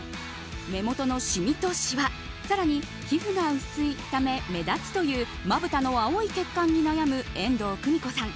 目元のシミとしわ更に皮膚が薄いため目立つというまぶたの青い血管に悩む遠藤久美子さん。